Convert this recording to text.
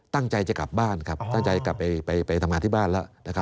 ตั้งใจจะกลับบ้านครับตั้งใจกลับไปทำงานที่บ้านแล้ว